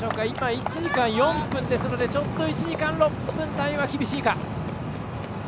１時間４分ですので１時間６分台は厳しいか。